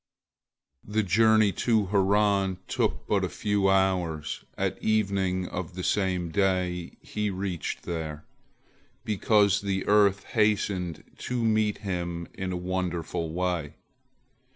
The journey to Haran took but a few hours, at evening of the same day he reached there, because the earth hastened to meet him in a wonderful way.